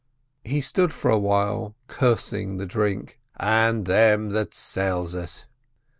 He stood for a while, cursing the drink, "and them that sells it."